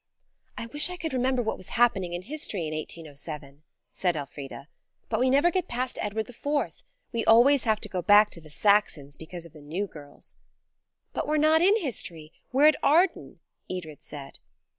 "I wish I could remember what was happening in history in 1807," said Elfrida, "but we never get past Edward IV. We always have to go back to the Saxons because of the new girls." "But we're not in history. We're at Arden," Edred said.